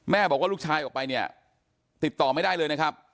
บอกว่าลูกชายออกไปเนี่ยติดต่อไม่ได้เลยนะครับ